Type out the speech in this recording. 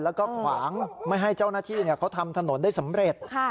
แล้วก็ขวางไม่ให้เจ้าหน้าที่เขาทำถนนได้สำเร็จ